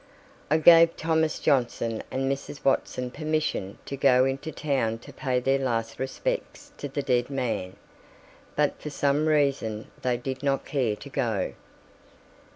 I gave Thomas Johnson and Mrs. Watson permission to go into town to pay their last respects to the dead man, but for some reason they did not care to go.